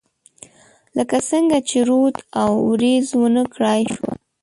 لکه څنګه چې رود او، اوریځو ونه کړای شوه